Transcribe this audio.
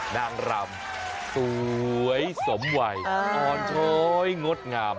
นางรำสวยสมวัยอ่อนช้อยงดงาม